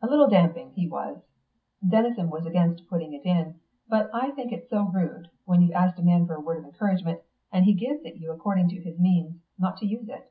A little damping, he was. Denison was against putting it in, but I think it so rude, when you've asked a man for a word of encouragement, and he gives it you according to his means, not to use it.